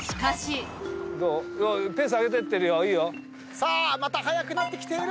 さあまた速くなってきている！